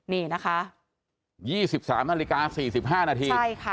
นี่นะคะยี่สิบสามนาฬิกาสี่สิบห้านาทีใช่ค่ะ